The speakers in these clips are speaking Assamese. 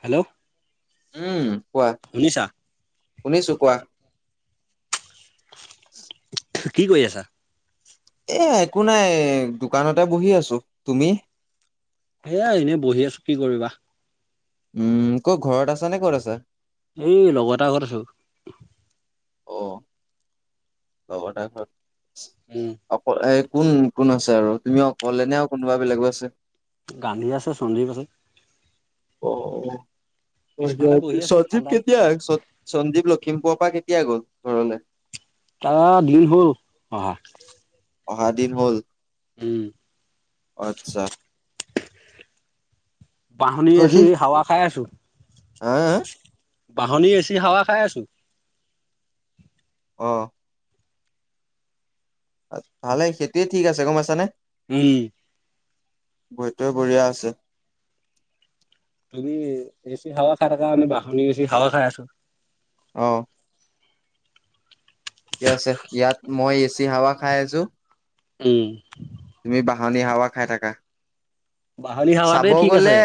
হেল্ল' উম কোৱা শুনিছা শুনিছো কোৱা কি কৰি আছা? এ একো নাই দোকানতে বহি আছো তুমি? সেয়াই এনেই বহি আছো কি কৰিবা উম ক'ত ঘৰত আছ নে ক'ত আছে? এই লগৰ এটা ঘৰত আছো। অ লগ এটা ঘৰত উম অক এই কোন? কোন আছে আৰু তুমিও অক'লে নে কোনোবা বেলেগ আছে? গান্ধী আছে চন্ধীৰ পাছত অ বহি আছো সঞ্জীৱ ঠাণ্ডাত কেতিয়া সঞ্জীৱ লখিমপুৰৰ পৰা কেতিয়া কেতিয়া গ'ল ঘৰলে তাৰ দিন হ'ল অহা অহা দিন হ'ল উম অ আচ্ছা বাহনী বাকী আছি হাৱা খাই আছো হা হা বাহনী এছি হাৱা খাই আছো। অ ভালে সেইটোয়ে ঠিক আছে গম পাইছানে। উম বৈতৰ বঢ়িয়া আছে তুমি এচি খাৱা খাই থাকা আমি বাহনিৰ এছি হাৱা খাই আছো। অহ ঠিকে আছে ইয়াত মই এচি হাৱা খাই আছো। উম তুমি বাহনী হাৱা খাই থাকা বাহনি হাৱাতে ঠিক আছে।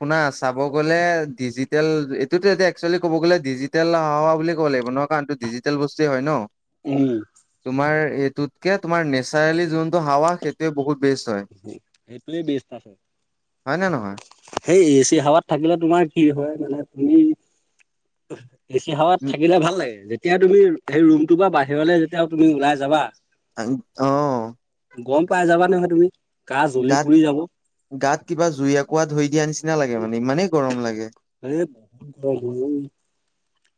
আপোনাৰ চাব গ'লে ডিজিটেল এইটোতো এতিয়া একচুৱেলি ক'ব গ'লে ডিজিটেল হাৱা বুলি ক'ব লাগিব ন। কাৰণটো ডিজিটেল বস্তুৱে হয় ন। উম তোমাৰ এইটোতকে তোমাৰ নেচাৰেলি যোনতটো হাৱা সেইটোয়ে বহুত। বেষ্ট হয় এটো বেচ্তছে হয় নে নহয় সেই এচি হাৱাত থাকিলে তোমাৰ কি হয় মানে তুমি এ চি হাৱাত উম, থাকিলে ভাল লাগে যেতিয়া তুমি সেই ৰুমটো বা বাহিৰলৈ যেতিয়া তুমি ওলাই যাবা আহ গম পাই যাবা নহয় তুমি গা জ্বলি গাত পুৰি যাব গাত কিবা জুই একঁকোৱা ধই দিয়া নিচিনা নিচিনা লাগে মানে ইমানেই গৰম লাগে। এ বহুত গৰম হয়।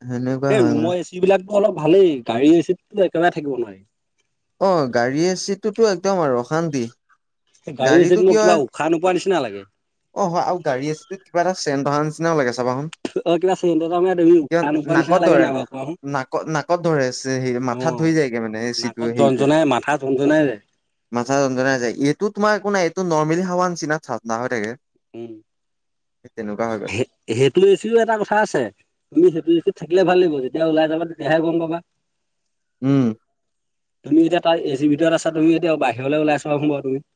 সেনেকুৱা এই হয় মানে ৰুমৰ এচি বিলাকো অলপ ভালেই গাড়ী এচিতো একেবাৰে থাকিব নোৱাৰি। অ গাড়ীৰ চিটটোতো একদম আৰু অশান্তি গাড়ী এচিত গাড়ীতটো মোৰ কি কিবা হয় উশাহ নোপোৱা নিচিনা লাগে অ হয় আৰু গাড়ী আছেত কিবা এটা চেন চাবাহোন অ কিবা চেণ্ট এটা মাৰা তুমি কিয় উশাহ নোপোৱা নিচিনা নাকত লাগে ধৰে নাই বাৰু কোৱাচোন নাকত নাকত ধৰে স অ মাথা ধুই মানে নাকত জনজনাই মাথা জনজনাই যায় মাথা ৰন্ধনা এইটো তোমাৰ একো নাই এইটো নৰ্মেলি হাৱান চিনাত চা না হৈ থাকে উম তেনেকুৱা হৈ গ'ল সেইটো এচিও এটা কথা আছে তুমি সেইটো থাকিলে ভাল লাগিব যেতিয়া ওলাই যাবা তেতিয়াহে গম পাবা উম তুমি এতিয়া তাত এ চিৰ ভিতৰত আছা তুমি এতিয়া বাহিৰলৈ ওলাইছা সমা তুমি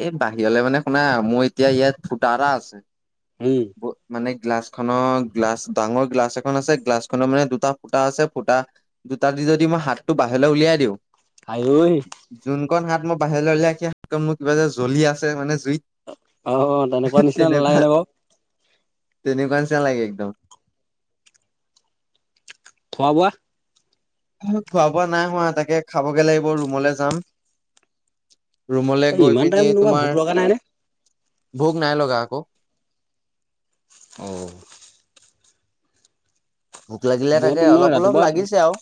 এই বাহিৰলৈ মানে শুনা মোৰ এতিয়া ইয়াত ভুটা উম আছে। মানে গ্লাছ খক গ্লাছ ডাঙৰ গিললা এ আছে গলাছখনৰ মানে দুটা ফুটা আছে ফুটা দুটা দি যদি মই হাতটো বাহি বা উলিয়াই দিওঁ আঐ যোনখন হাত মোৰ বাহিৰলৈ উলালে স হাতখন মোৰ কিবা যে জ্বলি আছে মানে জুই অ তেনেকুৱা নিচিনা নালাগে তেনেকুৱা নে বাৰু তেনেকুৱা চিনা লাগে একদম খোৱা বোৱা খোৱা বোৱা নাই হোৱা তাকে খাবগে লাগিব ৰুমলৈ যাম ৰুমলৈ এই গৈ ইমান পিনি টাইম ভোক তোমাৰ লগা নাই নে ভূক নাই লগ গাক অঁ ভোক লাগিলে মই তাকে তোমাৰ অলপ অলপ ৰাতিপুৱা লাগিছে আৰু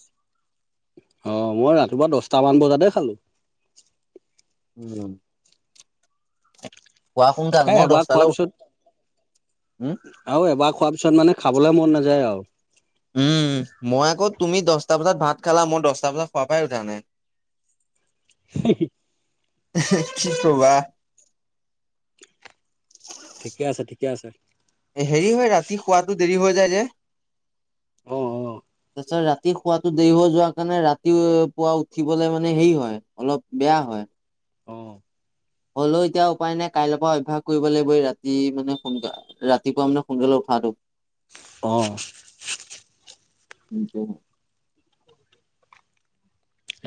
অ মই ৰাতিপুৱা দহটামান বজাতে খালো উম কোৱা সোনকাল এ মই এবাৰ খোৱাৰ দহটালৈ পিছত উঠাম আৰু এবাৰ খোৱাৰ পিছত মানে খাবলৈ মন নাযায় আৰু উম মই আকৌ তুমি দহটা বজাত ভাত খালা মই দহটা বজাত খোৱা পাই উঠা নাই হি হী কি কবা ঠিকে আছে, ঠিকে আছে। হেৰি হয় ৰাতি শোৱাতটো দেৰি হৈ যায় যে আহ অ তাৰপাছত ৰাতি শুৱাটো দেৰি হৈ যোৱা কাৰণে ৰাতি পুৱা উঠিবলে মানে হেৰি হয় অলপ বেয়া হয়। অ অ হলেও এতিয়া উপায় নাই কাইলৈৰ পৰা অভ্যস কৰিব লাগিবই ৰাতি মানে সোনকালে ৰাতিপুৱা মানে সোনকালে উঠাটো অ নিক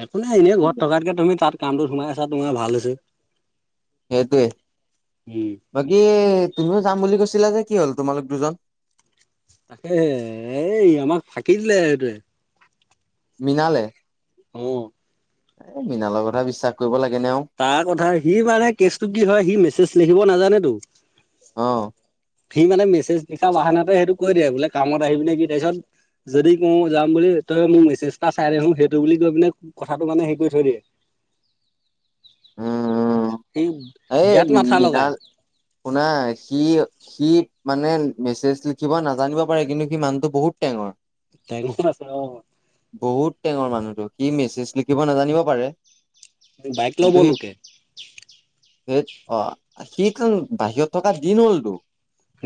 একো নাই এনেই ঘৰত থকাতকে তুমি তাত কামটোত সোমাই আছা, তোমাৰ ভাল হৈছে। সেইটোৱে উম বাকী তুমিও যাম বুলি কৈছিলা যে, কি হ'ল তোমালোক দুজন? তাকে এই আমাক ফাঁকি দিলে এইটোৱে। মীনালে অ। এ মৃণালৰ কথা বিশ্বাস কৰিব লাগে। নে আৰু তাৰ কথা সি মানে কেচটো কি হয় সি মেছেজ লিখিব নাজানেতো। অ। সি মানে মেছেজ লিখা বাহানাতে সেইটো কৈ দিয়ে বোলে কামত আহি পিনে কি? তাৰপিছত যদি ক যাম বুলি তই মোৰ মেছেজটা চাই দেখোন সেইটো বুলি কৈ পিনে কথাটো মানে হেৰি কৰি থৈ দিয়ে। [inaudible] উম উম সি এই বিৰাট মাথা লগাই মৃণাল, শুনা সি সি মানে মেছেজ লিখিব নাজানিব পাৰে। কিন্তু সি মানটো বহুত টেঙৰ। টেঙৰ আছে, অ। বহুত টেঙৰ মানুহতো। সি মেছেজ লিখিব নাজানিব পাৰে। বাইক ল'ব কিন্তু সি লোকে। সেই অ সি বাহিৰত থকা দিন হ'লতো।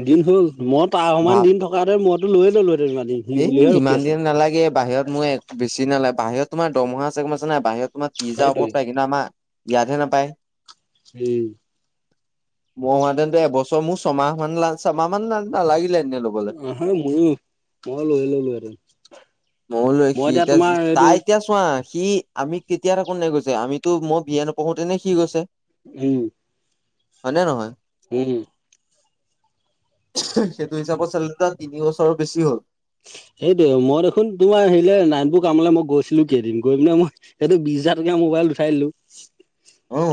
দিন হ'ল। মই তাৰ সমান দিন থকা হেতেন মইতো লৈ ললো হেঁতেন ইমান দিন সি এ বুলিহে ৰখি ইমান আছে। দিন নালাগে। বাহিৰত মোৰ বেছি নালাগে বাহিৰত তোমাৰ দৰমহা চেগমচা নাই। বাহিৰত তোমাৰ তিছহেজাৰ ওপৰত সেইটোৱে পায় কিন্তু আমাৰ ইয়াতহে নাপায়। উম মই হোৱা হেতেনটো এবছৰ মোৰ ছমাহ মান লাছ ছমাহ মান নালাগিলে। এনে ল'বলৈ অ হা মইয়ো। ময়ো লৈ মই সি এতিয়া তোমাৰ এইটো তাই এতিয়া চোৱা সি আমি কেতিয়া থাকো নে গৈছে। আমিতো মই বি য়ে নপঢ়োতেনে সি গৈছে। উম। হয়নে নহয়? হুম সেইটো হিচাপত চালেটো তাৰ তিনি বছৰো বেছি হ'ল। [inaudible] সেইটোৱে মই দেখোন তোৰ হেৰিলে নাইনপুৰ কামলৈ মই গৈছিলো কেইদিন। গৈ পিনে মই সেইটো বিছ হাজাৰ টকা মোবা কল উঠাই দিলো। অ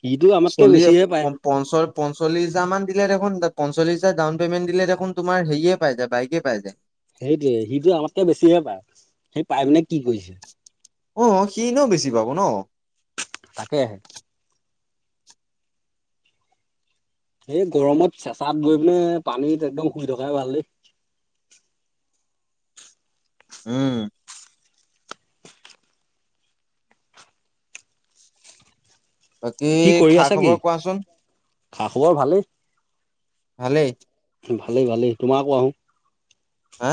সিটো আমাতকে চল্লিছ বেছিহে পায় পঞ্চ পঞ্চল্লিছ হেজাৰ মান দিলে দেখোন পঞ্চল্লিছ হাজাৰ ডাউন পেমেণ্ট দিলে দেখোন তোমাৰ হেয়ে পাই যায় বাইকে পাই যায়। সেইটোৱে, সিটো আমাতকে বেছিহে পায়। সি পাই পিনে কি কৰিছে? অ, সি এনেও বেছি পাব ন। তাকে। এই গৰমত চেঁচাত গৈ পিনে পানীত একদম শুই থকাই ভাল দেই। উম। বাকী কি কৰি খা আছা কি? খবৰ কোৱাচোন। খা খবৰ ভালেই। ভালেই। ভালেই, ভালেই। তোমাৰ কোৱাচোন। হা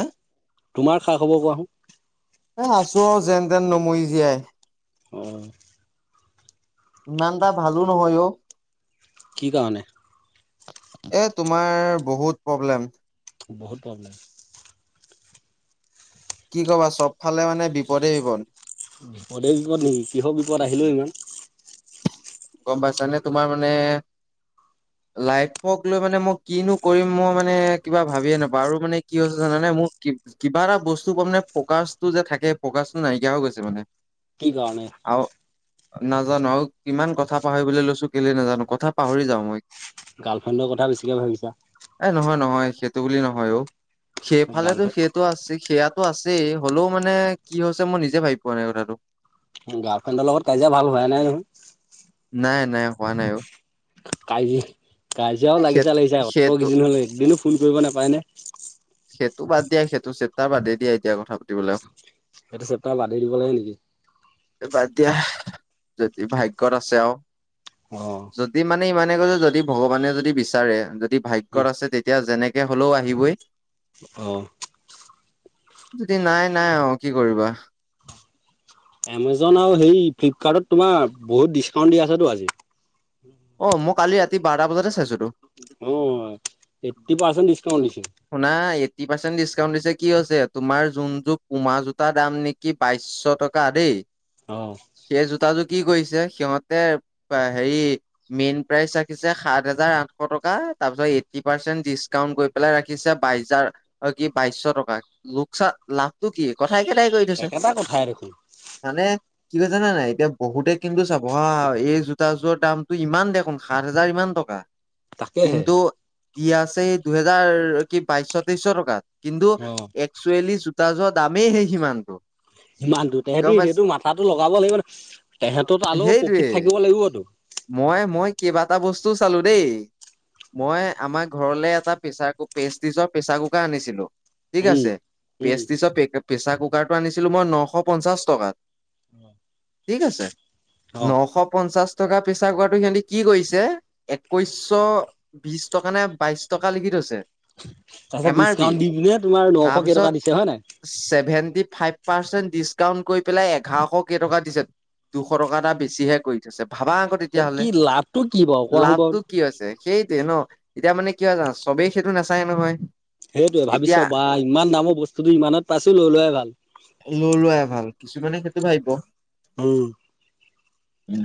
তোমাৰ খা খবৰ কোৱাচোন। এ আছো আৰু যেন তেন নমৰি জীয়াই। অহ। ইমানটা ভালো নহয় অ। কি কাৰণে? এ তোমাৰ বহুত প্ৰব্লেম। বহুত প্ৰব্লেম কি কবা চবফালে মানে বিপদে বিপদ বিপদে বিপদ নেকি কিহৰ বিপদ আহিলেও ইমান গম পাইছানে তোমাৰ মানে- [inaudible] লাইফক লৈ মানে মই কিনো কৰিম মই মানে কিবা ভাবিয়ে নাপাওঁ মানে কি হৈছে জানানে মোক- কিবা এটা বস্তু কটনে ফকাচ টো যে থাকে ফকাচটো নাইকিয়া হৈ গৈছে মানে কি কাৰণে? নাজানোঁ আৰু কিমান কথা পাহৰিবলৈ লৈছোঁ কেলে নাজানোঁ কথা পাহৰি যাওঁ মই। গাৰ্লফ্ৰেণ্ডৰ কথা বেছিকে ভাবিছা। এ নহয় নহয় সেইটো বুলি নহয় অ সেইফালেতো গাৰ্লফ্ৰেণ্ড সেইটো আছে সেয়াত। আছেই হ'লেও মানে কি হৈছে মই নিজে ভাবি পোৱা নাই কথাটো। গাৰ্লফ্ৰেণ্ডৰ লগত কাজিয়া ভাল হোৱাই নাই নহয়। কৰা নাই অ [unintelligible] এ কাজিয়াও সেই লাগিছে লাগিছে অত সেইটো কেইদিন হ'লে এদিনো ফোন কৰিব নাপায় নে। সেইটো বাদ দিয়া সেইটো চেপতাৰ বাদেই দিয়ে এতিয়া কথা পাতিবলেও সেইটো চেপ্তাৰ বাধি দিব লাগে নেকি? এতিয়া যদি ভাগ্যয়ত আছে আৰু অ', যদি মানে ইমান। তেনেকৈছ যদি ভগৱানে যদি বিচাৰে যদি ভাগ্যয়ত আছে তেতিয়া যেনেকে হ'লেও আহিবই। আহ যদি নাই নাই অ কি কৰিবা [unintelligible] এমজন আৰু সেই ফ্লিপকাৰ্টত তোমাৰ বহুত ডিচকাউন্ট দি আছেতো আজি। অ মই কালি ৰাতি বাৰটা বজাতে চাইছোঁ তো। অ এইটি পাৰ্চেনণ্টিচ- শুনা ফিফটি পাৰ্চেণ্ট ডিছকাউণ্ট দিছে কি হৈছে তোমাৰ যোনযোৰ পোমা জোতাৰ দাম নেকি বাইশ টকা দেই- অ'। সেই জোতা জো কি কৰিছে। সিহঁতে হেৰি মেইন প্ৰাইচ ৰাখিছে সাত হাজাৰ আঠশ টকা তাৰপিছত- এটি পাচেন্ট ডিছকাউণ্ট কৰি পেলাই দেখিছে বাইজাৰ কি বাইশশ টকা লোকচান লাভটো কি ক- ঠাইতে ঠাই কৰি থৈছে। একেটা কথাই দেখোন মানে- কি কৈছে জানা নাই এতিয়া বহুতে কিন্তু চাব হা এই জোতা জোৰৰ দামটো ইমান দেখোন সাত হাজাৰ ইমান টকা। তাকেহে- কিন্তু দি আছে দুহেজাৰ কি বাইশশ তেইশশ টকাত কিন্তু অ'। একচুৱেলি- তাৰ যোৱা দামেই হে সিমানটো- ইমানটো তেহেঁতি গম পাইছ সেইটো মাথাটো লগাব লাগিব ন তেহেঁতত আল সেইটোৱে প্ৰফিট থাকিব লাগিবতো মই মই কেইবাটা বস্তুও চালোঁ দেই মই আমাৰ ঘৰলে এটা প্ৰেচাৰ ক- পেচটিছৰ প্ৰেচাৰ কুকাৰ আনিছিলোঁ ঠিক উম। আছে উম, পেচটিছৰ প্ৰেছাৰ কুকাৰটো আনিছিলোঁ মই নশ পঞ্চাশ টকাত। উম! ঠিক আছে নশ পঞ্চাশ- টকা প্ৰেছাৰ কুকাৰটো সিহঁতে কি কৰিছে একৈশশ বিশ টকা নে বাইশ টকা লিখি থইছে। তাৰপিছত এম আৰ পি ডিচকাউণ্ট দি পিনে তোমাৰ নশ তাৰপিছত কেইটকা দিছে হয় ছেভেনট। ফাইপ পাৰচেন ডিছকাউণ্ট কৰি পেলাই এঘাৰ শ কেই টকা দিছে। দুশ টকা এটা বেছিহে কৰি থৈছে। ভাবা আকৌ তেতিয়া নাই হ'লে কি লাভটো কি বাৰু কোৱাচোন বাৰু। লাভটো কি হৈছে। সেইটোৱে ন এতিয়া মানে কি হয়। জান চবেই সেইটো নাচায় নহয় সেইটোৱে এতিয়া ভাবিছা বা ইমান দামৰ বস্তুটো ইমানত পাইছোঁ লৈ লোৱয়াই ভাল- নোলোৱই ভাল কিছুমানে সেইটো ভাবিব। উম উম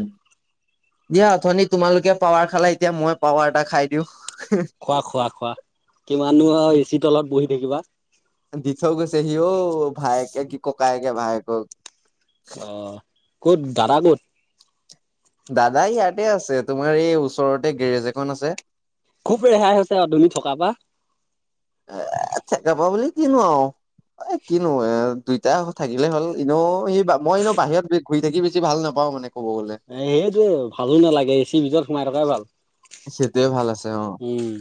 দিয়া অথনি তোমালোকে পাৱাৰ খালা এতিয়া মই পাৱাৰ এটা খাই দিওঁ। খোৱা খোৱা খোৱা কিমান আৰু তলত বহি থাকিবা। তোৰ ভাইকে কি ককাইকে ভাইেকক। অ ক'ত দাদা ক'ত, দাদা ইয়াতে আছে। তোমাৰ এই ওচৰতে গেৰেজ এখন আছে। খুব ৰেহাই হৈছে তুমি থকা পা- এ আচ্ছা ‌যাবা বুলি কিনো আৰু এ কিনো এ দুইটা থাকিলে হ'ল এনেও সি মই এনেো বাহিৰত ঘূৰি থাকি বেছি ভাল নাপাও মানে। ক'ব গ'লে এ সেইটোয়ে ভালো নালাগে এচিৰ ভিতৰত সোমাই থকাই ভাল। সেইটোয়ে ভাল আছে অ উম,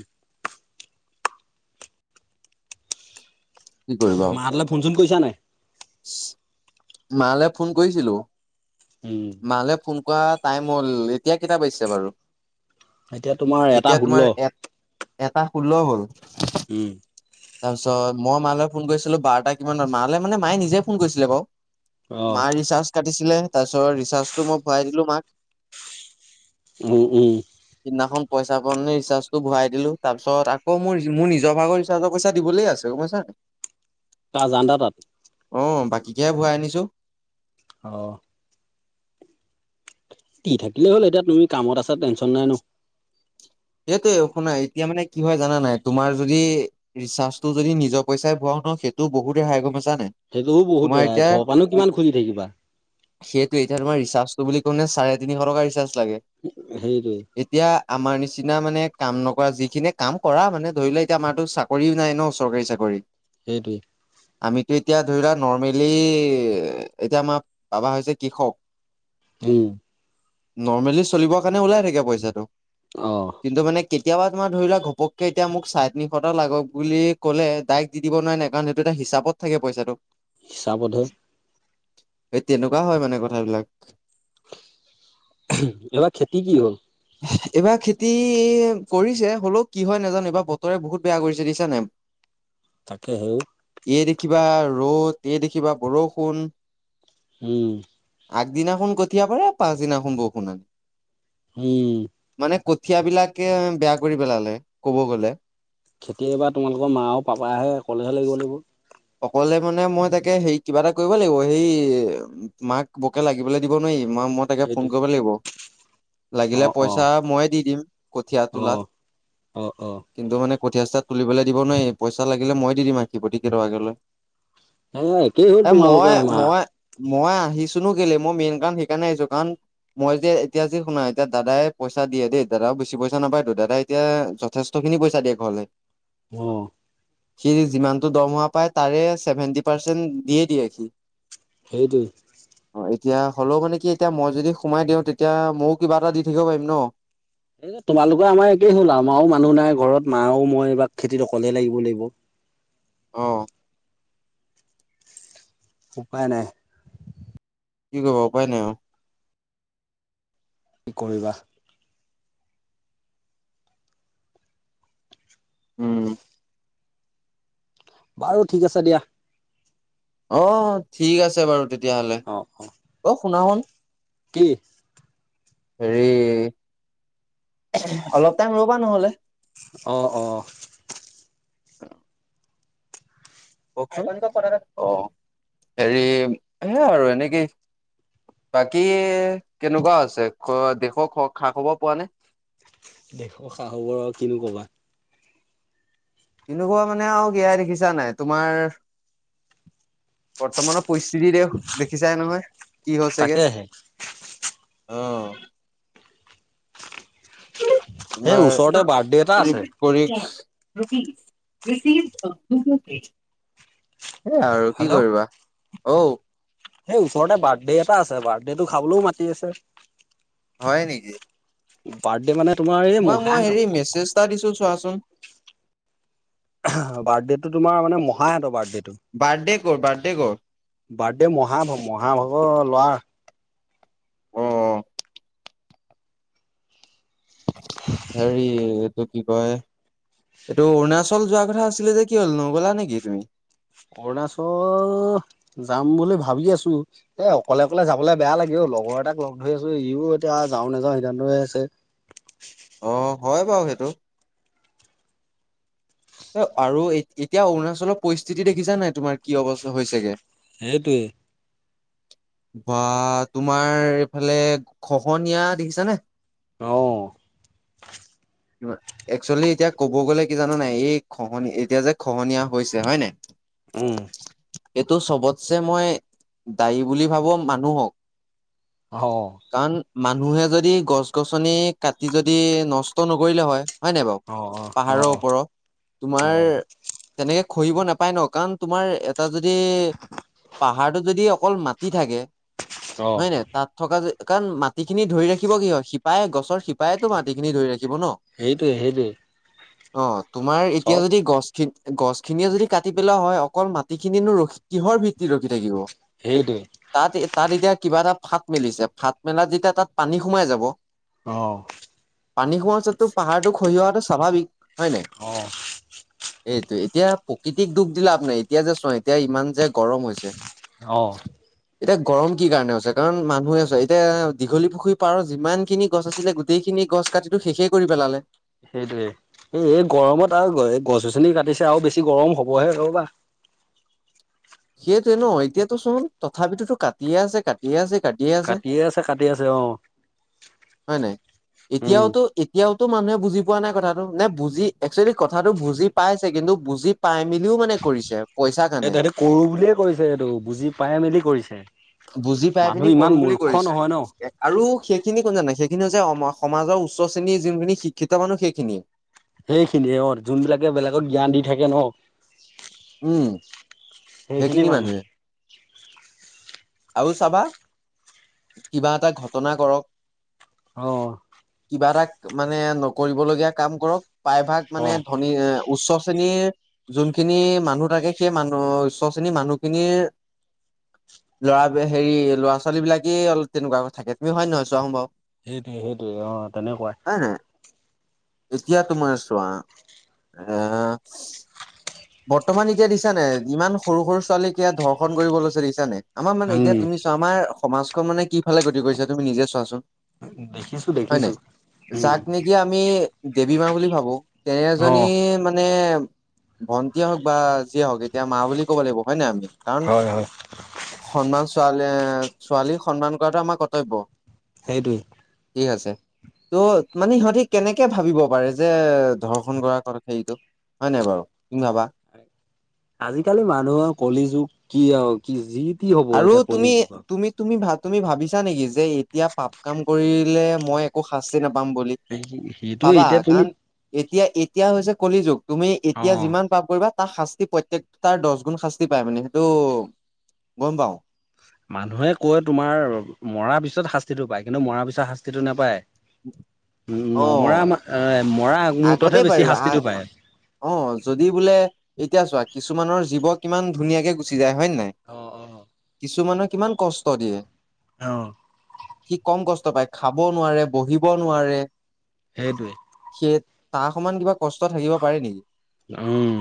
কি কৰিবা আও মা হতলে ফোন চোন কৰিছা নাই। মালে ফোন কৰিছিলো উম, মালে ফোন। এনে কোৱা টাইম হ'ল এতিয়া কেইটা বাজিছে বাৰু। এতিয়া তোমাৰ এটা এতিয়া তোমাৰ ষোল্ল। এ এটা ষোল্ল হ'ল। উম। তাৰপিছত মই মালৈ ফোন কৰিছিলো বাৰটা কিমানত মালৈ মানে মায়ে নিজে ফোন কৰিছিলে বাৰু। অ', মাৰ ৰিচাৰ্জ কাটিছিলে তাৰপিছত ৰিচাৰ্জটো মই ভৰাই দিলোঁ মাক। উম উঁম। সেদিনাখন পইচা পাওঁতে ৰিচাৰ্জটো ভৰাই দিলো তাৰপিছত আকৌ মোৰ মোৰ নিজৰ ভাগৰ ৰিচাৰ্জৰ পইচা দিবলে আছে। ত পাইছ নাই। তা জানদা তাত। অ বাকীকেহে ভৰাই আনিছো। অহ। দি থাকিলেই হ'ল এতিয়া তুমি কামত আছা টেনচন নাই ন। এইটোয়ে শুনা এতিয়া মানে কি হয় জানা নাই তোমাৰ যদি ৰিচাৰ্জটো যদি নিজৰ পইচাই ভৰাও। সেইটো বহুকে হাই গমেছ। সেইটোও বহুত তোমাৰ ৰেহাই এতিয়া ঘৰৰ পৰানো কিমান খুজি থাকিবা। সেইটো এতিয়া তোমাৰ ৰিচাছটো বুলি। চাই তিনিশ টকা ৰিচাছ লাগে সেইটোৱে এতিয়া আমাৰ নিচিনা। দিনা মানে কাম নকৰা যিখিনিয়ে কাম কৰা মানে ধৰি লোৱা এতিয়া আমাৰতো চাকৰিও নাই ন চৰকাৰী চাকৰি। সেইটোৱেই। আমিতো এতিয়া ধৰি লোৱা নৰ্মেলি এতিয়া আমাৰ বাবা হৈছে কৃষক। উম। নৰ্মেলি চলিবৰ কাৰণে ওলাই থাকে পইচাটো। অহ। কিন্তু মানে কেতিয়াবা তোমাৰ ধৰি লোৱা ঘপকে এতিয়া মোক চাই তিনিশটা লাগক বুলি ক'লে ডাইক দি দিব নোৱাই নাই কাৰণ এইটো এটা। হিচাপত থাকে পইচাটো। হিচাপত ধয়ে। এই তেনেকুৱা হয় মানে কথাবিলাক। এইবা খেতি কি হ'ল। এইবা খেতি কৰিছে হ'লেও কি হয় নাজানো এইবা বতৰে বহুত বেয়া কৰিছে দিছা নাই। তাকে সেওঁ। এই দেখিবা ৰ'দ এই দেখিবা বৰষুণ। উম। আগদিনাখন কঠীয়া পাৰে পাছদিনাখন বৰষুণ আনে। উম। মানে কঠিয়া বিলাকে বেয়া কৰি পেলালে কব গলে। খেতিযে এবা তোমালোকৰ মা আৰু পাপা হে কলেহে লাগিব লাগিব। অকলে মানে মই তাকে সেই কিবা এটা কৰিব লাগিব সেই মাক বোকে লাগিবলে দিব নোৱাৰিম। মাক মই তাকে ফোন সেইটোৱে। কৰিব লাগিব। লাগিলে অ', অ', পইচা ময়ে দি দিম কঠীয়া তোলা। অ', অ', অ', কিন্তু মানে কঠীয়া ছঠীয়া তুলিবলে দিব নোৱাৰি পইচা লাগিলে মই দি দিম পতি কে টকাকে দি। এ একেই হে তোমালোকই আমা। মই মই আহিছিনো কেলে মই মেইন কাৰণ সেইকাৰণে আহিছো কাৰণ। মই এতিয়া এতিয়া যি শুনা এতিয়াও দাদাই পইচা দিয়ে দেই দাদাও বেছি পইচা নাপাইতু দাদাই এতিয়া যথেষ্ট। সেইখিনি পইচা দিয়ে ঘৰলে। আহ। সি যিমানটো দৰমহা পায় তাৰে চেভেন্টি পাৰ্চেন্ট দিয়ে দিয়ে সি। সেইটোএ। অ' এতিয়া হ'লেও মানে কি এতিয়া মই যদি সোমাই দিওঁ তেতিয়া ময়ো কিবা এটা দি থাকিব পাৰিম ন। এই তোমালোকৰে আমাৰ একেই হ'ল আও আমাৰো মানুহ নাই ঘৰত মাও আও মই এইবা খেতিত অকলে লাগিব লাগিব। অ। উপাই নাই। কি কৰিব উপায় নাই আৰু। কি কৰিবা। উম। বাৰু ঠিক আছে দিয়া। অ ঠিক আছে বাৰু তেতিয়াহ'লে অ শুনা চোন। কি? হেৰি অলপ টাইম ৰবা নহ'লে। অঁ অঁ। অ। কওঁকচোন অ হেৰি সে আৰু এনেকেই। বাকী কেনেকুৱা আছে দেশৰ খ খা খবৰ পোৱা নে। দেশৰ খা খবৰ আৰু কিনো কবা। এনেকুৱা মানে আৰু ইয়াই দেখিছা নাই তোমাৰ বৰ্তমানত। পৰিস্থিতি দে দেখিছাই নহয় কি হৈচেগে। তাকেহে অঁ। এই ওচৰতে বাৰ্থডে এটা তোমাৰ আছে পৰিকচ। Rupees received October page. এয়া আৰু কি কৰিবা অঔ। সেই ওচৰতে বাৰ্থডে এটা আছে। বাৰ্থডেটো খাবলৈও মাতি আছে। হয় নেকি। বাৰ্থডে মানে তোমাৰ এই মহা হেতৰ। তা দিছোঁ চোৱাচোন। বাৰ্থডেতটো তোমাৰ মানে মহাহঁতৰ বাৰ্থডেটো। বাৰ্থডে কৰ' বাৰ্থডে কৰ। বাৰ্থডে মহা মহাভাগৰ লোৱাৰ। অ হেৰি। এইটো কি কয় এইটো অৰুণাচল যোৱা কথা আছিলে যে কি হ'ল নগ'লা নেকি তুমি। অৰুণাচল যাম বুলি ভাবি আছোঁ এ অকলে অকলে যাবলে বেয়া লাগে অ। লগৰ এটাক লগ ধৰি আছোঁ ইও এতিয়া যাও নাযাও সিদ্ধান্তই আছে। অ হয় বাৰু সেইটো। আৰু এতিয়া অৰুণাচলৰ পৰিস্থিতি দেখিছা নাই তোমাৰ কি অৱা হৈছেগে। সেইটোৱে। বা তোমাৰ এইফালে খহনীয়া দেখিছানে। অহ। একচুৱেলি এতিয়া ক'ব গ'লে কি জানো নাই এই। খহনিয়া এতিয়া যে খহনীয়া হৈছে হয় নাই। উম। এইটো চবতছে মই দায়ী বুলি ভাবোঁ মানুহক। অহ। কাৰণ মানুহে যদি গছ গছনি কাটি যদি নষ্ট নকৰিলে হয়। হয় নাই বাৰু অ অ অ পাহাৰৰ ওপৰত অ তোমাৰ তেনে। খহিব নোপায় ন কাৰণ তোমাৰ এটা যদি। পাহাৰটো যদি অকল মাটি থাকে। অ হয় নাই তাত থকা যে কাৰণ মাটি খিনি ধৰি ৰাখিব কি হয় সিপায় গছ। শিপাইত মাটিখিনি ধৰি ৰাখিব ন সেইটোৱে সেইটোৱে অ। তোমাৰ এতিয়া চব যদি গছ। খিন গছখিনিয়ে যদি কাটি পেলোৱা হয় অকল মাটিখিনিয়েনো ৰখি কিহৰ ভিত্তিত ৰখি থাকিব। সেইটোৱে তাত তাত এতিয়া কিবা এটা। ফাট মেলিছে ফাট মেলাত যেতিয়া তাত পানী সোমাই যাব অহ। পানী খোৱাৰ পাছতো পাহাৰটো খহি অহাটো স্বাভাৱিক হয় নে। অ। এইটো এতিয়া প্ৰকৃতিক দুখ দিলে লাভ নাই এতিয়া যে চোৱা এতিয়া ইমান যে গৰম হৈছে। অহঁ। এতিয়া গৰম কি কাৰণে হৈছে কাৰণ মানুহে আছে এতিয়া দীঘলী পুখুৰী পাৰ যিমান খিনি গছ আছিলে গোটেইখিনি গছ কাটিটো শেষে কৰি পেলালে সেইটোৱে এই এই গৰমত আৰু গছ গছনি কাটিছে আৰু বেছি গৰম হবহে ৰবা। সেইটোৱে ন এতিয়াতো চোন তথাপিতো কাটিয়ে আছে কাটিয়ে আছে। কাটিয়ে আছে কাটি আছে অ হয় নাই উম এতিয়াও তো এতিয়াও মানুহে বুজি পোৱা নাই কথাটো নে বুজি একচুৱেলি কথাটো বুজি পাইছে কিন্তু বুজি পাই মেলিও মানে কৰিছে পইচা কাৰণে। কৰোঁ বুলিয়ে কৰিছে এইটো বুজি পাই মেলি কৰিছে। বুজি পাই মানুহ পিনি ইমান কৰো বুলি মূৰ্খ নহয় ন কৰিছে আৰু সেইখিনি কোন জানা নে নাই? যিখিনি হৈছে সমাজৰ উচ্চ শ্ৰেণীৰ যোনখিনি শিক্ষিত মানুহ সেইখিনিয়ে। সেইখিনিয়ে অ যোনবিলাকে বেলেগক জ্ঞান দি থাকে ন। উম। সেইখিনি মানুহে। আৰু চাবা কিবা এটা ঘটনা কৰক। অহ। কিবা এটা মানে নকৰিবলগীয়া কাম কৰক প্ৰায়ভাগ অ মানে ধনী উচ্চ শ্ৰেণীৰ যোনখিনি মানুহ থাকে সেই মানুহ উচ্চ শ্ৰেণীৰ মানুহখিনিৰ [unintelligible] ল'ৰা হেৰি ল'ৰা ছোৱালী বিলাকেই অলপ তেনেকুৱা থাকে তুমি হয় নহয় চোৱা বাৰু। সেইটোৱে সেইটোৱে অ তেনেকুৱাই। নাই এতিয়া তোমাৰ চোৱা আহ বৰ্তমান এতিয়া দেখিছা নে নাই ইমান সৰু সৰু ছোৱালীক এয়া ধৰ্ষণ কৰিব লৈছে দিছানে? আমাৰ মানে এতিয়া উম তুমি চোৱা আমাৰ সমাজখন মানে কি ফালে গতি কৰিছা তুমি নিজে চোৱাচোন দেখিছো হয় দেখিছো। নাই উম যাক নেকি আমি দেৱী মা বুলি ভাবো তেনে অ এজনী মানে ভণ্টিয়ে হওক বা যিয়ে হওক এতিয়া মা বুলি ক'ব লাগিব হয় নাই আমি কাৰণ হয় হয় সন্মান ছোৱালী এ ছোৱালীক সন্মান কৰাটো আমাৰ কৰ্তব্য সেইটোৱেই। ঠিক আছে। ত' মানে সিহঁতি কেনেকে ভাবিব পাৰে যে ধৰ্ষন কৰাৰ কথা হেৰিটো? হয় নাই বাৰু তুমি ভাবা? আজিকালি মানুহৰ কলি যুগ কি আৰু কি যি টি হ'ব আৰু এতিয়া কলি তুমি যুগ আৰু তুমি তুমি ভাত তুমি ভাবিছা নেকি যে এতিয়া পাপ কাম কৰিলে মই একো শাস্তি নাপাওঁ বুলি সেইটো পাবা এতিয়া তুমি কাৰণ এতিয়া এতিয়া হৈছে কলি যুগ তুমি এতিয়া অ যিমান পাপ কৰিবা তাৰ শাস্তি প্ৰত্যেকটাৰ দহ গুণ শাস্তি পায় মানে সেইটো গম পাও। মানুহে কৈ তোমাৰ মৰা পিছত শাস্তিটো পায় কিন্তু মৰা পিছত শাস্তিটো নাপায়। উম অ নমৰা মৰা আগমুহূৰ্ততহে আগতে বেছি পাৰিব শাস্তিটো আহ পায় অ যদি বোলে এতিয়া চোৱা কিছুমানৰ জীৱ কিমান ধুনীয়াকে গুচি যায় হয় নে নহয় অ অ। কিছুমানে কিমান কষ্ট দিয়ে অ সি কম কষ্ট কম কষ্ট পায় খাব নোৱাৰে বহিব নোৱাৰে। সেইটোৱেই সেই তাৰ সমান কিবা কষ্ট থাকিব পাৰে নেকি? উম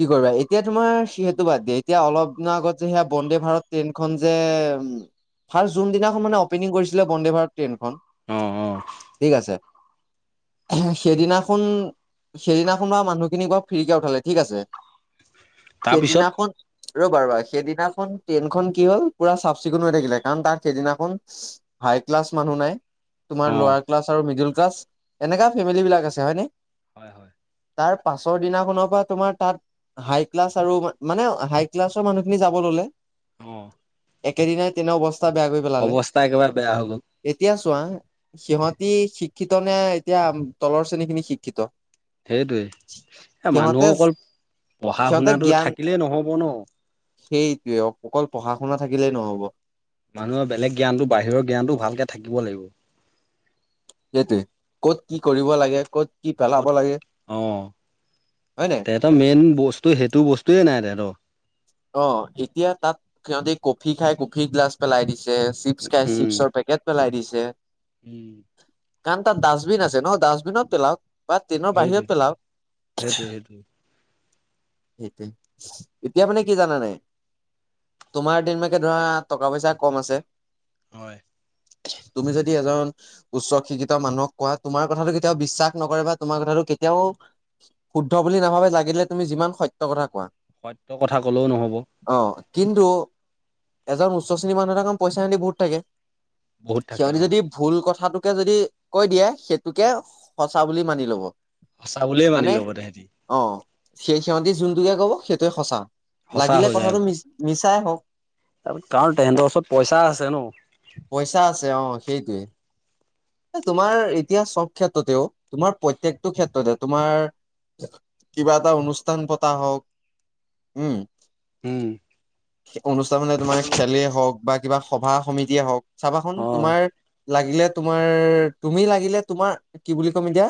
কি কৰিবা এতিয়া তোমাৰ সিহেতু বাদ দিয়া এতিয়া অলপ দিনৰ আগত যে সেয়া বন্দে ভাৰত ট্ৰেইনখন যে উম ফাৰ্ষ্ট যোনদিনাখন মানে অপেনিং কৰিছিলে বন্দে ভাৰত ট্ৰেইনখন অ অ ঠিক আছে। সেইদিনাখন-সেইদিনাখন বা মানুহখিনিক বাৰু ফ্ৰীকে উঠালে ঠিক আছে। তাৰপিছত সেইদিনাখন ৰ'বা ৰবা সেইদিনাখন ট্ৰেইনখন কি হ'ল পুৰা চাফ-চিকুণ হৈ থাকিলে কাৰণ তাত সেইদিনাখন হাই ক্লাছ মানুহ নাই তোমাৰ অ'। লৱাৰ ক্লাছ আৰু মিডিল ক্লাছ এনেকা ফেমেলিবিলাক আছে হয়নে হয় হয় তাৰ পাছৰ দিনাখনৰ পৰা তোমাৰ তাত হাই ক্লাছ আৰু মানে হাই ক্লাছৰ মানুহখিনি যাব ললে আহ একেদিনাই তেনে অৱস্থা বেয়া কৰি পেলালে একেবাৰে বেয়া হৈ গ'ল এতিয়া চোৱা সিহঁতি শিক্ষিত নে এতিয়া তলৰ শ্ৰেণীখিনি শিক্ষিত সেইটোৱেই এ মানুহ সিহঁতে অকল পঢ়া-শুনাটো থাকিলেই নহব ন সেইটোৱেই অকল পঢ়া-শুনা থাকিলেই নহব। মানুহৰ বেলেগ জ্ঞানটো বাহিৰৰ জ্ঞানটো ভালকে থাকিব লাগিব। সেইটোৱেই ক'ত কি কৰিব লাগে ক'ত কি পেলাব ক'ত লাগে অ হয় নাই তেহেঁতৰ মেইন বস্তু সেইটো বস্তুয়েই নাই তাহাঁতৰ অ এতিয়া তাত সিহঁতি কফি খাই কফি গিলাচ পেলাই দিছে। চিপছ খাই উম, চিপছৰ পেকেট পেলাই দিছে উম কাৰণ তাত ডাষ্টবিন আছে ন ডাষ্টবিনত পেলাওক বা ট্ৰেইনৰ সেইটোৱে। বাহিৰত পেলাওক সেইটোৱে সেইটোৱে সেইটোৱেই এতিয়া মানে কি জানা নাই তোমাৰ কেনেবাকে ধৰা টকা পইচা কম আছে। হয় [unintelligible] তুমি যদি এজন উচ্চ শিক্ষিত মানুহক কোৱা তোমাৰ কথাটো কেতিয়াও বিশ্বাস নকৰে বা তোমাৰ কথাটো কেতিয়াও শুদ্ধ বুলি নাভাবে লাগিলে তুমি যিমান সত্য কথা কোৱা সত্যৰ কথা ক'লেও নহ'ব অ কিন্তু এজন উচ্চ শ্ৰেণীৰ মানুহ এটাৰ পইচা আদি বহুত থাকে বহুত থাকে সিহঁতি অ'। যদি ভুল কথাটো যদি কৈ দিয়ে সেইটোকেই সঁচা বুলি মানি ল'ব। সঁচা বুলিয়ে মানি মানে লব তেহেঁতি অ সেই সিহঁতি যোনটোকে কব সেইটোৱেই সঁচা লাগিলে কথাটো মিছ মিছাই হওঁক তাৰ কাৰণ তেহেঁতৰ ওচৰত পইচা আছে ন। সেইটোৱেই তোমাৰ এতিয়া চব ক্ষেত্ৰতেও তোমাৰ প্ৰত্যকটো ক্ষেত্ৰতে তোমাৰ কিবা এটা অনুষ্ঠান পতা হওক উম উম অনুষ্ঠান হলে তোমাৰ খেলেই হওক বা কিবা সভা সমিতিয়ে হওক চাবা চোন অ'। তোমাৰ লাগিলে তোমাৰ তুমি লাগিলে তোমাৰ কি বুলি ক'ম এতিয়া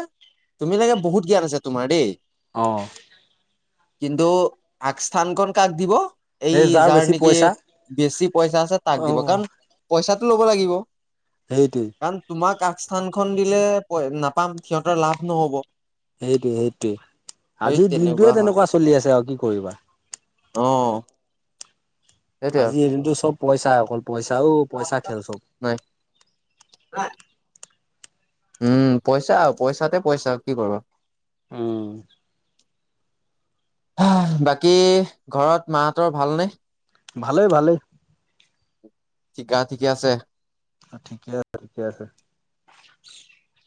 তুমি লাগে বহুত জ্ঞান আছে তোমাৰ দেই অঁ কিন্তু আগস্থান কণ কাক দিব এই সেই যাৰ বেছি নেকি পইচা বেছি পইচা আছে তাক দিব অ', কাৰণ পইচাটো ল'ব লাগিব। সেইটোৱে কাৰণ তোমাক আগস্থানখন দিলে নাপাম সিহঁতৰ লাভ নহ'ব। সেইটো সেইটোৱে আজিৰ দিনটোয়ে তেনেকুৱা চলি আছে আৰু কি কৰিবা। আহ আজি এদিনতটো চব পইচা অকল পইচাও পইচা খেল চব হয়। উম পইচা আৰু পইচাতে পইচা কি কৰিব? উম। বাকী ঘৰত মাহতৰ ভালনে‌? ভালেই, ভালেই কি গা ঠিকে আছে? ঠিকে আছে ঠিকে আছে।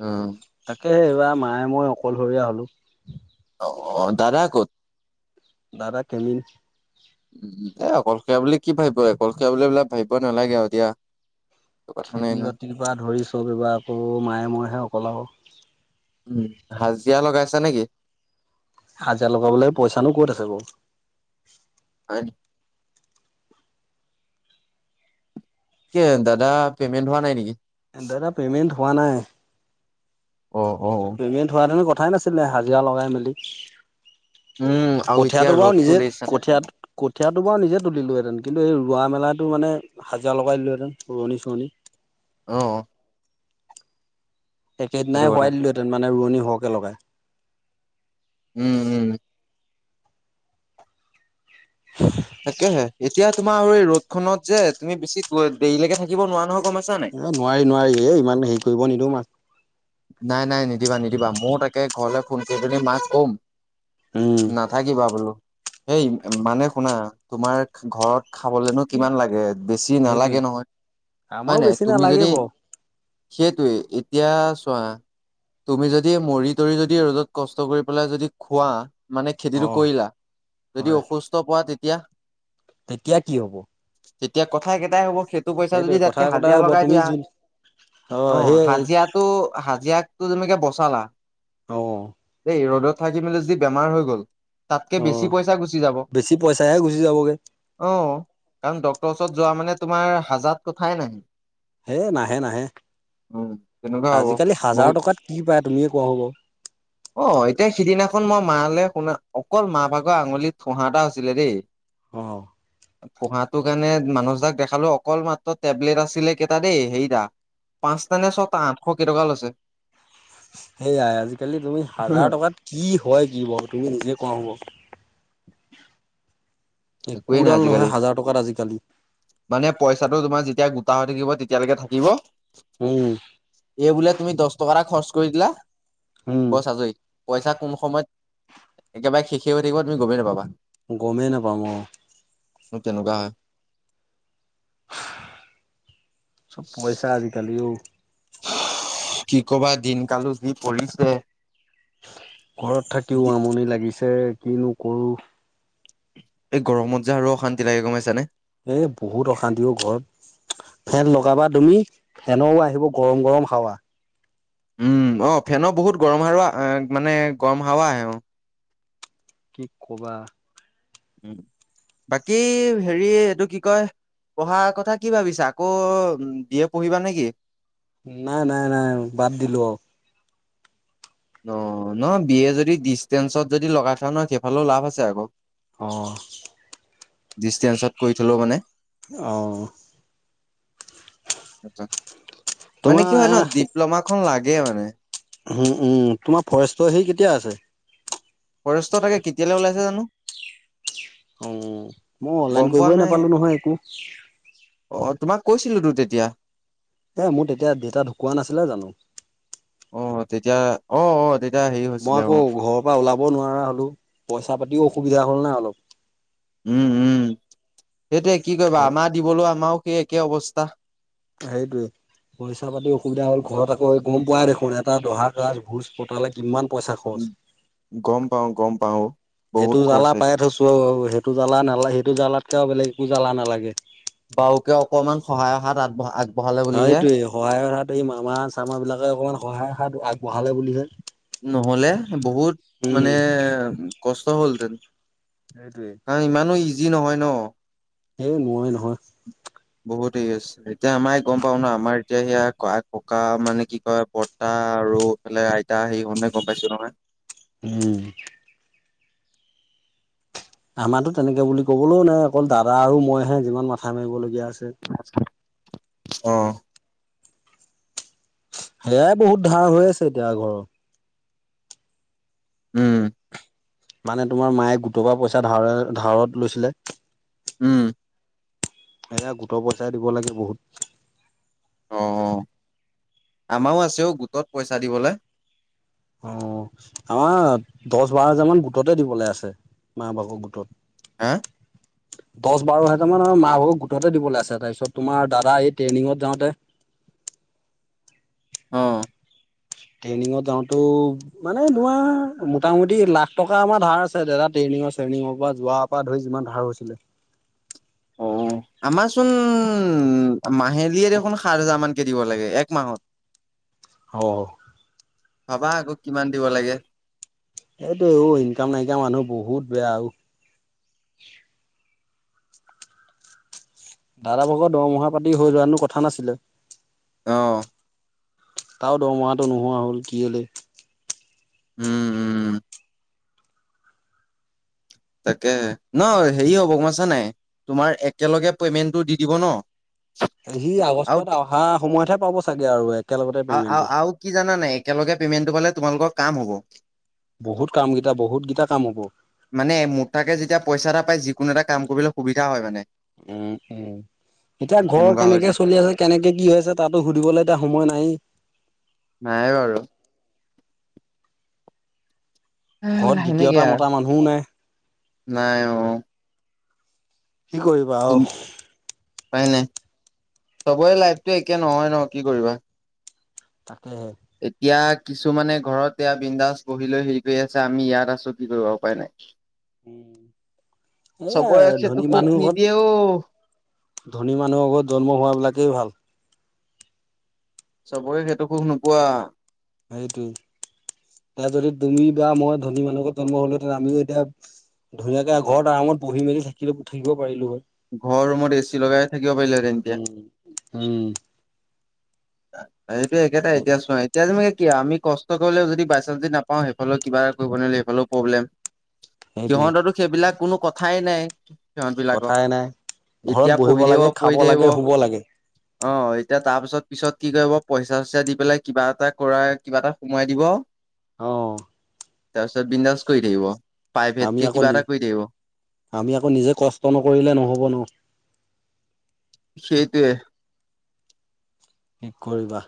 অ তাকে এইবাৰ মায়ে মই অকলশৰীয়া হ'লোঁ অ অ দাদা ক'ত? দাদা খেলিল উ এ অকলশৰীয়া বুলি কি ভাবিব অকলশৰীয়া বুলি সেইবলাক ভাবিব নালাগে আৰু দিয়া। একো কথা নাই খেতি নহয় বাতিৰ পৰা ধৰি চব ব্যৱহাৰ কৰো মায়ে মইহে অকল আৰু উম হাজিৰা লগাইছা নেকি‌? হাজিৰা লগাবলে পইচানো ক'ত আছে বাৰু হয়। কে দাদা পেমেন্ট হোৱা নাই নেকি? দাদা পেমেণ্ট হোৱা নাই। অ অ পেমেণ্ট হোৱা হেতেন কথাই নাছিলে হাজিৰা লগাই মেলি- উম আৰু এতিয়া কঠীয়াটো বাৰু ৰ'দটো নিজে দেখিছানে কঠীয়া কঠিয়াটো বাৰু নিজে টো দিলোহেতেন কিন্তু এই ৰোৱা মেলাটো মানে হাজিৰা লগাই দিলোহেতেন ৰোৱনী - চোৱনী। আহ একেদিনাই কথা হোৱাই দিলোহেঁতেন মানে ৰোৱনী সৰহকে লগাই। উম উম। তাকেহে এতিয়া তোমাৰ আৰু এই ৰদ খনত যে তুমি বেছি দেৰিলৈকে থাকিব নোৱাৰা নহওঁক। এ নোৱাৰি নোৱাৰি এ ইমান হেৰি কৰিব নিদওঁ মাক। নাই নাই নিদিবা নিদিবা ময়ও তাকে ঘৰলৈ ফোন কৰি‌ পানি মাক কম। উম নাথাকিবা বোলো। হেই মানে শুনা তোমাৰ ঘৰত খাবলেনো কিমান লাগে? বেছি সেইটোৱে নালাগে নহয় হয় আমাৰো নাই বেছি তুমি নালাগে যদি বাৰু সেইটোৱে এতিয়া চোৱা তুমি যদি মৰি তৰি যদি ৰ'দত কষ্ট কৰি পেলাই যদি খোৱা। মানে অ খেতিটো কৰিলা যদি হয় অসুস্থ পোৱা তেতিয়া তেতিয়া কি হব? তেতিয়া কথা একেটাই হ'ব। সেইটো পইচা যদি সেইটোৱে কথা তাতকে কথা হাজিৰা হব লগাই তুমি দিয়া যোন অ হাজিৰাটো হাজিৰা টো জেনেকে বচালা, অ দেই ৰ'দত থাকি মেলি যি বেমাৰ হৈ গ'ল তাতকে অ বেছি পইচা গুচি যাব বেছি পইচাহে গুচি যাবগে অ কাৰণ- ছত যোৱা মানে তোমাৰ হাজাত কথাই নাহি। হে নাহে নাহে তেনেকুৱা হ'ব আজিকালি- হাজাৰ বহুত টকাত কি পাই তুমিয়ে কোৱা হ' বাৰু- অ এতিয়া সিদিনাখন মই মালে শুনা অকল মা ভাগৰ আঙুলিত ফোহা এটা হৈছিলে দেই অ ফোহাত সেইটো কাৰণে মানছ দাক দেখালো অকল মাত্ৰ টেবলেট আছিলে কেইটা দেই সেইটা পাঁচটা নে ছটা আঠশ কেইটকা লৈছে। সেইয়াই আৰুজ জ খালি তুমি হাজাৰ টকাত কি হয় কি ব তুমি নিজে কোৱা হ'ব। [unintelligible] একোৱেই নাই একোডাল আজিকালি নহয় হাজাৰ টকাত আজিকালি মানে পইচাটো তোমাৰ যেতিয়া ত হৈ থাকিব তেতিয়ালৈকে থাকিব উম এই বোলে তুমি দহ টকা এটা খৰচ কৰি দিলা, উম বছ আজৰি পইচা কম সময়ত একেবাৰে শেষি হৈ থাকিব তুমি গমেই নাপাবা। গমেই নাপাম অ, তেনেকুৱা হয়। চব পইচা আজিকালি অ' কি কবা দিন কালো যি পৰিছে, ঘৰত থাকিও আমনি লাগিছে কিনো কৰো। এই গৰমত যে আৰু অশান্তি লাগে গম পাইছা? এ বহুত অশান্তিও ঘৰত। ফেন লগাবা তুমি ফেনৰ আহিব গৰম গৰম হাৱা। উম অ ফেন বহুত গৰম হাৰা মানে গৰম হাৱা আহে অ। কি ক'বা। উ বাকী হেৰি এইটো কি কয়, পঢ়াৰ কথা কি ভাবিছা আকৌ বিয় পঢ়িবা নেকি? নাই নাই নাই বাদ দিলো। অ ন বিয় যদি ডিচষ্টেঞ্চত যদি লগাই থোৱা নহয় সেইফালেও লাভ আছে ক। অঁ। ডিষ্টেঞ্চত কৰি থলো মানে অহঁ। মানে তোমাৰ কি হয় ন ডিপ্ল'মা খন লাগে মানে। উম! উম! তোমাৰ ফৰেষ্টৰ সে কেতিয়া আছে? ফৰেষ্টত আকে কেতিয়ালৈ ওলাইছে জানোঁ। অ মই অনলাইন পোৱা কৰিবই নাই। নাপালো নহয় একো- অ তোমাক কৈছিলো তো তেতিয়া। এ মোৰ তেতিয়া দেউতা ঢুকুকোৱা নাছিলে জানো? অ তেতিয়া অ অহ মই আকৌ ঘৰৰ পৰা ওলাব নোৱাৰা হলো, পইচা পাতিও অসুবিধা হ'ল নাই অলপ, উম! উম! লয়সেইটোয়ে কি কৰিবা ঘৰত আমাৰ দিবলৈ আমাৰও সেই একে অৱস্থা। সেইটোৱেই। পইচা পাতি অসুবিধা হল ঘৰত আকৌ গম পোৱাই দেখোন এটা দহা গাছ ভোজ পতালে কিমান। পইচা খৰচ গম পাওঁ, গম পাওঁ বহুত সেইটো খৰচ। জালা পাই থৈছো আৰু সেইটো জ্বালা নালাগে, সেইটো জালাতকে আৰু বেলেগ একো জ্বালা নালাগে। বাওকে অকমান সহায়ৰ হাত আগব আগবঢ়ালে অ বুলিহে এইটোয়ে সহায়ৰ হাত এই মামা চামা বিলাকে অকমান সহায়ৰ হাত আগবঢ়ালে বুলিহে। নহলে বহুত মানে উম কষ্ট হ'লহেতেন। সেইটোৱে কাৰণ ইমানো ইজি নহয় ন। এই মই নহয়। বহুত হৰি আছে এতিয়া আমাৰ গম পাও ন আমাৰ এতিয়া সেয়া ক ককা মানে কি কয় বৰ্তা আৰু এফালে আইতা সেই হওতে গম পাইছো নহয়। উম! আমাৰো তেনেকে বুলি কবলৈও নাই অকল দাদা আৰু মইহে যিমান মাথা মাৰিবলগীয়া। আছে অ' সেয়াই বহুত ধাৰ হৈ আছে এতিয়া ঘৰত। উম! মানে তোমাৰ মায়ে গোটৰ পৰা পইচা ধাৰ ধাৱত লৈছিলে। উম! এয়া গোটৰ পইচাই দিব লাগে বহুত অ আমাৰো আছেও অ গোটত পইচা দিবলে অ আমাৰ দছ বাৰ হাজাৰ মান গোটতে দিবলে আছে মা ভাগৰ গোটত হেএ দহ বাৰ হাজাৰ মান মাহ ভাগৰ গোটতে দিবলে আছে তাৰপিছত তোমাৰ দাদা এই ট্ৰেইনিঙত যাওঁতে [unintelligible] অ ট্ৰেইনিঙত যাওঁতো মানে তোমাৰ মোটামুটি লাখ টকা আমাৰ ধাৰ আছে দাদা ট্ৰেই চেই নিংঙৰ পৰা যোৱাৰ পৰা ধৰি যিমান ধাৰ হৈছিলে অ আমাৰচোন উম মাহেলীয়ে দেখোন সাত হেজাৰ মান দিব লাগে একমাহত আহ ভাবা আকৌ কিমান দিব লাগে এইটো এইবোৰ ইনকাম নাইকা মানুহ বহুত বেয়া অ দাদা ভাগৰ দৰমহা পাতি হৈ যোৱা হেতেননো কথা নাছিলে আহ তাৰও দৰমাহাটো নোহোৱা হ'ল কেলে উম উম তাকে ন হেৰি হব গম পাইছ নে নাই তোমাৰ একেলগে পেমেন্টটো দি দিব ন [unintelligible] সি আৰু আগষ্টত অহা সময়তহে পাব চাগে আৰু একেলগতে পেমেন্টটো আৰু কি জানা নাই একেলগে পেমেন্টটো পালে তোমালোকৰ কাম হ'ব বহুত কাম কেইটা বহুত গিতা কাম হ'ব মানে মোতাকে যেতিয়া পইচা এটা পাই যিকোনো এটা কাম কৰিবলৈ সুবিধা হয় মানে উম উম এতিয়া ঘৰ তেনেকুৱা হৈ কেনেকে যায় চলি আছে কেনেকে কি হৈ আছে তাতো সুদিবলে এতিয়া সময় নাই নাই বাৰু ঘৰত সেনেকে দ্বিতীয়টা আৰু মতা মানুহো নাই নাই অ কি কৰিবা অ উপাই নাই চবৰে লাইফটো একে নহয় ন কি কৰিবা তাকেহে। এতিয়া কিছুমানে ঘৰত এয়া বিন্দাস বহি লৈ হেৰি কৰি আছে আমি ইয়াত আছো কি কৰিবা উপাই নাই চবৰে এয়াই সেইটো ধনী সুখ মানুহখন নিদিয়ে অ ধনী মানুহৰ ঘৰত জন্ম হোৱা বিলাকেই ভাল চবৰে সেইটো সুখ নোপোৱা সেইটোৱেই এ যদি তুমি বা মই ধনী মানুহ ঘত জন্ম হলো হেতেন আমিও এতিয়া ধুনীয়াকে ঘৰত আৰামত বহি মেলি থাকিলে থাকিব পাৰিলো হয় ঘৰ ৰুমত এচি লগাই থাকিব পাৰিলি হেঁতেন এতিয়া উম, উম, সেইটো একেটাই এতিয়া চোৱা এতিয়া তুমি আমি কষ্ট কৰিলেও যদি বাই চান্স দি নাপাওঁ সেইফালে কিবা এটা কৰিব নোৱাৰিলে এইফালেও প্ৰব্লেম সেইটোৱে সিহঁতেতো সেইবিলাক কোনো কথাই নাই সিহঁত বিলাক কথাই নাই। ঘৰত এতিয়া বহিব পঢ়ি থাকিব লাগে, খাব পঢ়ি থাকিব লাগে, শুব লাগে। অ এতিয়া তাৰ পিছত পিছত কি কৰিব পইচা চইচা দি পেলাই কিবা এটা কৰা কিবা এটা সোমাই দিব অ তাৰপিছত বিন্দাছ কৰি থাকিব আমি প্ৰাইভেতকে আকৌ কিবা নি এটা কৰি থাকিব আমি আকৌ নিজে কষ্ট নকৰিলে নহ'ব ন সেইটোৱে কি কৰিবা?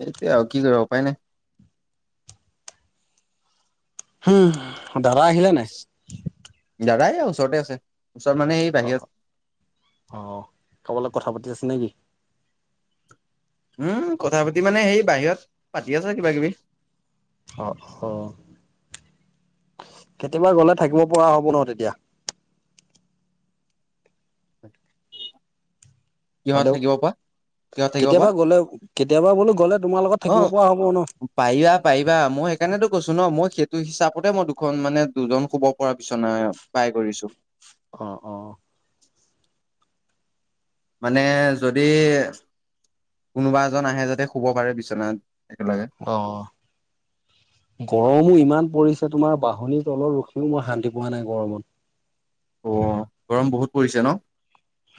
সেইটোৱে আৰু কি কৰিব উপায় নাই। উম' দাদা আহিলে নাই? দাদা এইয়া ওচৰতে আছে, ওচৰত মানে এ বাহিৰত। অ', ক'বালে কথা পাতি আছে নেকি? উম' কথা পাতি মানে সেই বাহিৰত পাতি আছে কিবা-কিবি। অহ'অহ' কেতিয়াবা গ'লে থাকিব পৰা হ'ব ন তেতিয়া? কিহত হেল্ল' থাকিব পোৱা? কিয় থাকিব বা কেতিয়াবা গ'লে কেতিয়াবা বোলো গ'লে তোমাৰ লগত থাকিব পৰা হ'ব ন? অহ' পাৰিবা পাৰিবা মই সেইকাৰণেতো কৈছো ন মই তো হিচাপতে মই দুখন মানে দুজন শুব পৰা বিছনা বাই কৰিছো। অ অ' [inaudible] মানে যদি, কোনোবা এজন আহে যাতে শুব পাৰে বিচনাত। একেলগে অ' গৰমো ইমান পৰিছে। তোমাৰ বাহনিৰ তলত ৰখিও মই শান্তি পোৱা নাই গৰমত। অ' গৰম বহুত পৰিছে ন?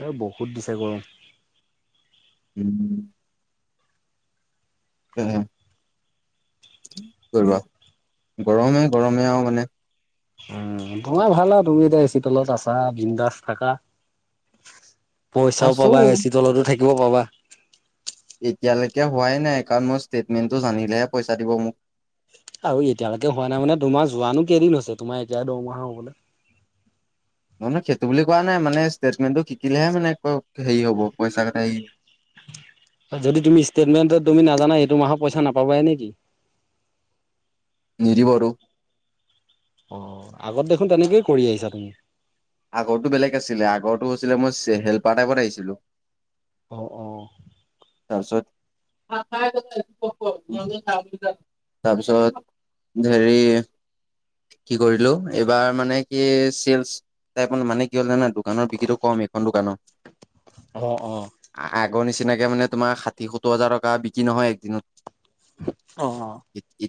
এ বহুত দিছে গৰম। উম' কে কি কৰিবা, গৰমে গৰমে আৰু মানে। উম' তোমাৰ ভাল আৰু তুমি এতিয়া এ চি তলত আছা বিন্দাস থাকা। পইচাও পাবা আছো এ চি তলতো থাকিব পাবা। এতিয়ালৈকে হোৱাই নাই, কাৰণ মোই ষ্টেটমেণ্টটো জানিলেহে পইচা দিব মোক। আৰু এতিয়ালৈকে হোৱা নাই মানে তোমাৰ যোৱানো কেইদিন হৈছে, তোমাৰ এতিয়া দৰমহা হ'বলে। [inaudible] অ নহয় সৈটো বুলি কোৱা নাই, মানে ষ্টেটমেণ্টটো শিকিলেহে মানে হেৰি হ'ব পইচা কথা হেই যদি তুমি ষ্টেটমেন্ট তুমি নাজানা, এইটো মাহৰ পইচা নাপাবাই নেকি? [inaudible] নিদিব টো। অ' আগত দেখোন তেনেকেই কৰি আহিছা তুমি। আগৰটো বেলেগ আছিলে, আগটো আছিলে মই হেল্পাৰ টাইপত আহিছিলোঁ। অঁ অঁ' তাৰপিছত, তাৰপিছত হেৰি, কি কৰিলো এইবাৰ মানে কি চেলচ তাইপ মানে কি হ'ল জানা দোকানৰ বিক্ৰীটো কম এইখন দোকানৰ। অ অ' আগৰ নিচিনাক মানে তোমাৰ ষাঠি, সত্তৰ হাজাৰ টকা বিক্ৰী নহয় একদিনত। অ'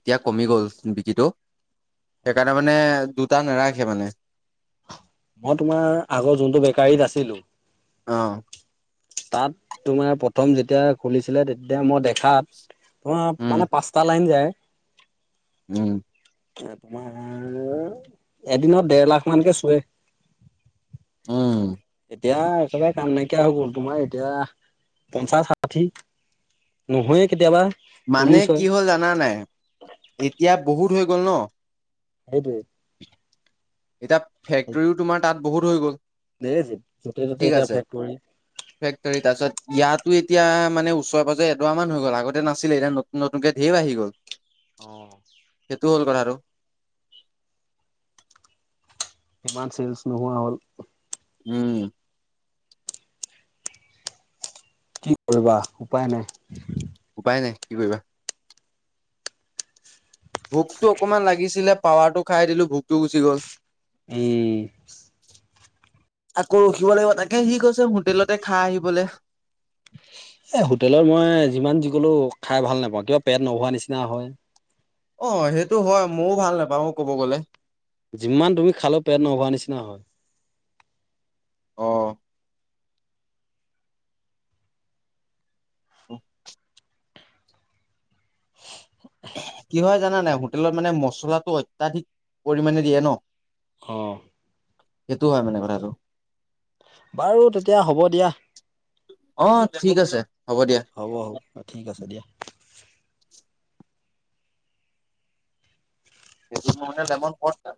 এতিয়া কমি গ'ল বিকিটো, সেইকাৰণে মানে দুটা নাৰাখে মানে। মই তোমাৰ আগৰ যোনটো বেকাৰীত আছিলো অ' তাত তোমাৰ প্ৰথম যেতিয়া খুলিছিলে তেতিয়া মই দেখাত ত উম মানে পাঁচটা লাইন যায়। উম' এ তোমাৰ এদিনত দেৰ লাখ' মানকে চুৱে। উম এতিয়া একবায়ে কাম নাইকিয়া হৈ গ'ল, তোমাৰ এতিয়া পঞ্চাশ, ষাঠি। নহয়ে কেতিয়াবা। মানে চল্লিশ কি হয় হ'ল জানানে, এতিয়া বহুত হৈ গল ন। সেইত এতিয়া ফেক্টৰীও তোমাৰ তাত বহুত হৈ গ'ল য'তে ত'তে ঠিক এতিয়া আছে ফেক্টৰী ফেক্টৰী তাৰছত- ইয়াতো এতিয়া মানে ওচৰে পাজৰে এডৰা মান হৈ গ'ল আগতে নাছিলে এতিয়া নতুন নতুনকে ঢেৰ বাঢ়ি গল অঁ হেল্ল' ইমান চেলচ নোহোৱা হ'ল উম কি কৰিবা উপায় নাই। উপায় নাই কি কৰিবা। ভোকটো অকণমান লাগিছিলে পাৱাৰটো খাই দিলো ভোকটো গুচি গ'ল উম আকৌ ৰখিব লাগিব তাকে সি কৈছে হোটেলতে খাই আহিবলে। এ হোটেলত মই যিমান যি কলো খাই ভাল নাপাওঁ কিবা পেট নভৱা নিচিনা হয়। অ সেইটো হয় ময়ো ভাল নাপাওঁ কব গলে। যিমান তুমি খালে পেট নভৱা নিচিনা হয়। আহ অ কি হয় জানা নাই হোটেলত মানে মছলাটো অত্যাধিক পৰিমানে দিয়ে ন। অঁ সেইটোও হয় মানে কথাটো। বাৰু তেতিয়া হ'ব দিয়া। অ ঠিক আছে। হ'ব হ'ব ঠিক আছে দিয়া। সেইজ মানে তেমন পৰ না।